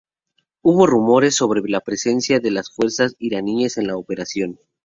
Hubo rumores sobre la presencia de las fuerzas iraníes en la operación.